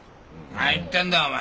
何言ってんだよお前。